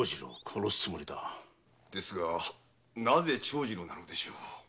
ですがなぜ長次郎なのでしょう？